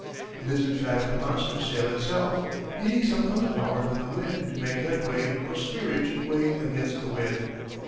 It is in fact a monster sail itself, needing some other power than the wind to make headway or steerage way against the wind.